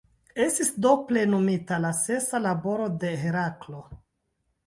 Estis do plenumita la sesa laboro de Heraklo.